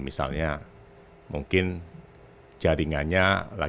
misalnya mungkin jaringannya lagi berubah